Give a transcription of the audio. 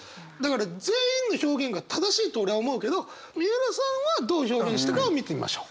全員の表現が正しいと俺は思うけど三浦さんはどう表現したかを見てみましょう。